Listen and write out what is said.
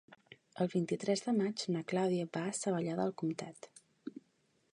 El vint-i-tres de maig na Clàudia va a Savallà del Comtat.